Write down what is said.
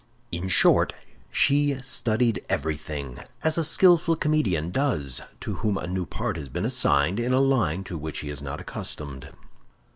In short, she studied everything, as a skillful comedian does to whom a new part has been assigned in a line to which he is not accustomed.